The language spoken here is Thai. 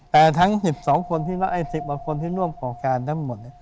แต่ทั้ง๑๒คนที่รักไอ้๑๐คนที่ร่วมกับการทั้งหมด